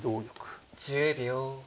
１０秒。